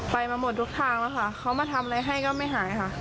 ไปมาหมดทุกทางแล้วค่ะเขามาทำอะไรให้ก็ไม่หายค่ะ